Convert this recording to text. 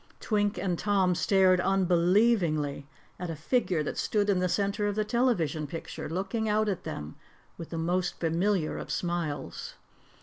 Twink and Tom stared unbelievingly at a figure that stood in the center of the television picture looking out at them with the most familiar of smiles.